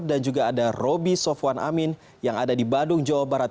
dan juga ada roby sofwan amin yang ada di badung jawa barat